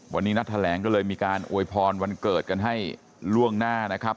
วันนี้นัดแถลงก็เลยมีการอวยพรวันเกิดกันให้ล่วงหน้านะครับ